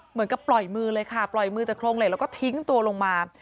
เหมือนกับปล่อยมือเลยค่ะปล่อยมือจากโครงเหล็กแล้วก็ทิ้งตัวลงมา